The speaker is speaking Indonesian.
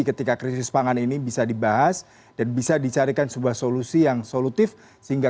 ketika krisis pangan ini bisa dibahas dan bisa dicarikan sebuah solusi yang solutif sehingga